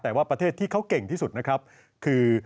แต่ว่าประเทศที่เขาเก่งที่สุดนะครับคือ